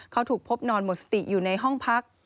เขาถูกพบนอนหมดสติอยู่ในห้องพัก